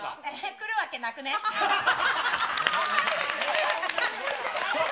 来るわけないか。